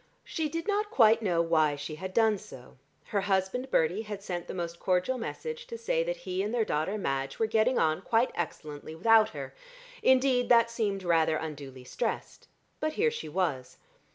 She did not quite know why she had done so: her husband Bertie had sent the most cordial message to say that he and their daughter Madge were getting on quite excellently without her indeed that seemed rather unduly stressed but ... here she was.